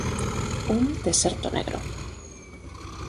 Un "deserto negro".